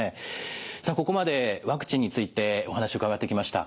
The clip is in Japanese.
さあここまでワクチンについてお話伺ってきました。